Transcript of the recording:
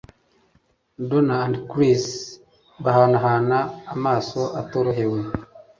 Donna & Chris bahanahana amaso atorohewe.